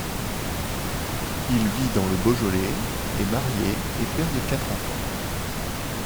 Il vit dans le Beaujolais, est marié et père de quatre enfants.